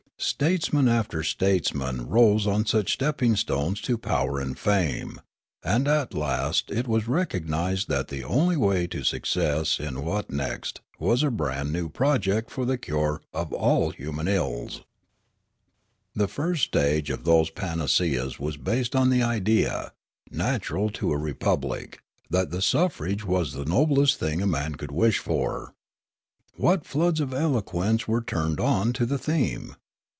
States man after statesman rose on such stepping stones to power and fame ; and at last it was recognised that the only way to success in Wotnekst was a brand new project for the cure of all human ills. Wotnekst 207 The first stage of those panaceas was based on the idea, natural to a republic, that the suffrage was the noblest thing a man could wish for. What floods of eloquence were turned on to the theme